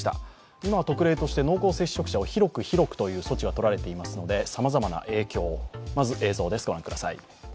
今、特例として濃厚接触者を広く広くという措置がとられていますのでさまざまな影響、まず映像です。